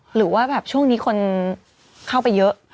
หรือว่าแบบช่วงนี้คนเข้าไปเยอะ